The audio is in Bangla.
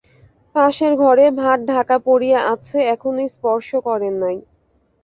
পাশের ঘরে ভাত ঢাকা পড়িয়া আছে, এখনো স্পর্শ করেন নাই।